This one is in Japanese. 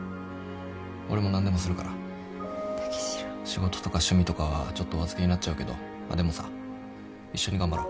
仕事とか趣味とかはちょっとお預けになっちゃうけどでもさ一緒に頑張ろう。